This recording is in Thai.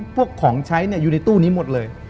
พวกของใช้อยู่ในตู้นี้หมดเลย